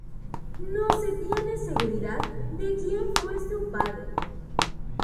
No se tiene seguridad de quien fue su padre.